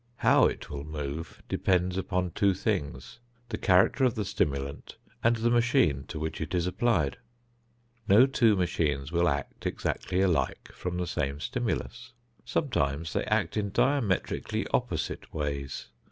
How it will move depends upon two things, the character of the stimulant and the machine to which it is applied. No two machines will act exactly alike from the same stimulus. Sometimes they act in diametrically opposite ways.